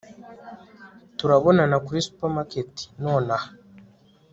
turabonana kuri supermarket nonaha